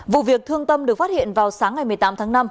vụ việc thương tâm được phát hiện vào sáng ngày một mươi tám tháng năm